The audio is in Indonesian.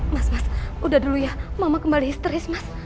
mas mas udah dulu ya mama kembali histeris mas